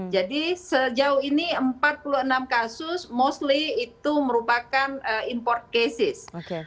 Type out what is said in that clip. jadi sejauh ini empat puluh enam kasus mostly itu merupakan import cases